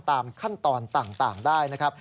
ตามขั้นตอนต่างได้นะครับ